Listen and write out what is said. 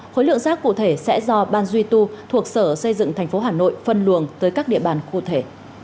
khối lượng rác cụ thể sẽ do ban duy tu thuộc sở xây dựng tp hà nội phân luồng tới các địa bàn khu thể